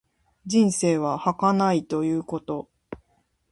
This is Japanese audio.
人生は儚いということ。